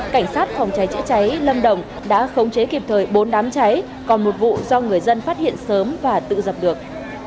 cảnh sát phòng cháy chữa cháy lâm đồng đã khống chế kịp thời bốn đám cháy còn một vụ do người dân phát hiện sớm và tự dập được